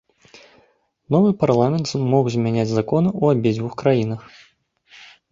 Новы парламент мог змяняць законы ў абедзвюх краінах.